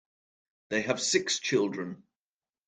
They have six children.